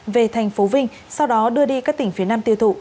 về tp vinh sau đó đưa đi các tỉnh phía nam tiêu thụ